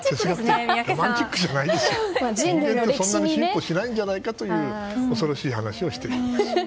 人間ってそんなに進歩しないんじゃないかという恐ろしい話をしています。